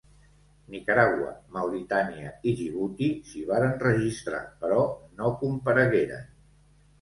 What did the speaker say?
Nicaragua, Mauritània, i Djibouti s'hi varen registrar però no comparegueren.